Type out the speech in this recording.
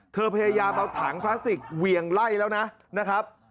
พยายามเอาถังพลาสติกเวียงไล่แล้วนะครับ